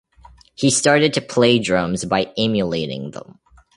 He started to play drums by emulating them.